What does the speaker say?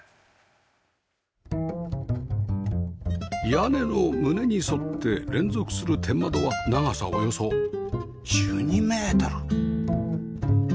屋根の棟に沿って連続する天窓は長さおよそ１２メートル